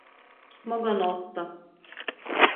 Smoga nosta.